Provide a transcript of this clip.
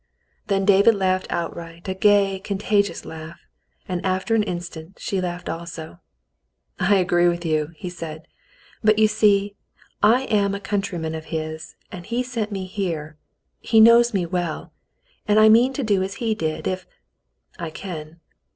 Then David laughed outright, a gay, contagious laugh, and after an instant she laughed also. "I agree with you," he said. "But you see, I am a countryman of his, and he sent me here — he knows me well — and I mean to do as he did, if — I can."